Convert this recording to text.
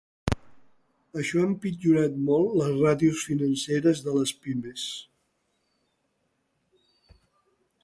Això ha empitjorat molt les ràtios financeres de les pimes.